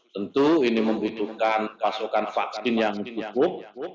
tentu ini membutuhkan pasokan vaksin yang cukup